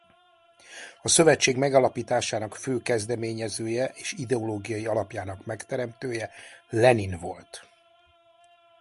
A szövetség megalapításának fő kezdeményezője és ideológiai alapjának megteremtője Lenin volt.